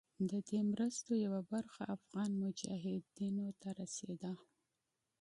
د دې مرستو یوه برخه افغان مجاهدینو ته رسېده.